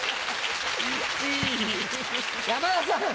山田さん！